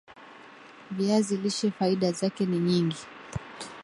viazi lishe vina faida zake ni nyingi